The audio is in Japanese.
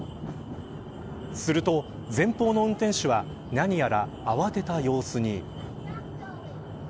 すると、前方の運転手は何やら慌てた様子に。